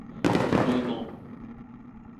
おいも